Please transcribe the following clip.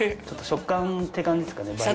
ちょっと食感って感じですかね。